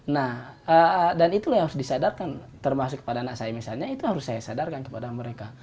nah dan itulah yang harus disadarkan termasuk kepada anak saya misalnya itu harus saya sadarkan kepada mereka